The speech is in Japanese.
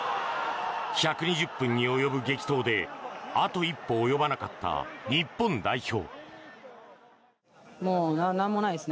１２０分に及ぶ激闘であと一歩及ばなかった日本代表。